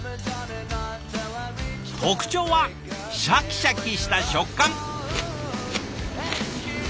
特徴はシャキシャキした食感！